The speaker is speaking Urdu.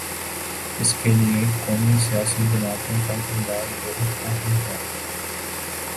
اس کے لیے قومی سیاسی جماعتوں کا کردار بہت اہم ہے۔